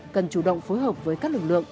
cần chủ động phối hợp với các lực lượng